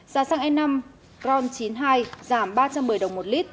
giá xăng e năm ron chín mươi hai giảm ba trăm một mươi đồng một lít